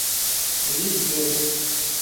ЛИКБЕЗ